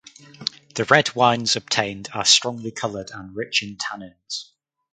The red wines obtained are strongly colored and rich in tannins.